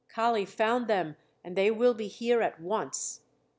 "Kali found them and they will be here at once."